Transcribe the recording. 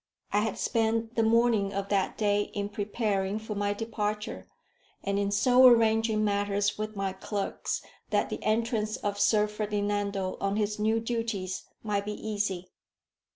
I had spent the morning of that day in preparing for my departure, and in so arranging matters with my clerks that the entrance of Sir Ferdinando on his new duties might be easy.